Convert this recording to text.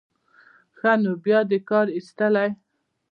ښه نو بیا دې کار ایستلی.